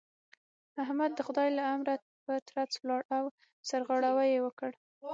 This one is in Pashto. احمد د خدای له امره په ترڅ ولاړ او سرغړاوی يې وکړ.